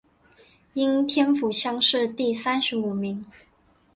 应天府乡试第三十五名。